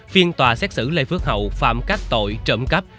phiên tòa xét xử lê phước hậu phạm các tội trộm cắp